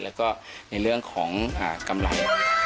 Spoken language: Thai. แล้วก็ในเรื่องของกำไร